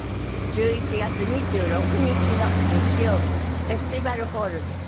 １１月２６日の日曜日フェスティバルホールです。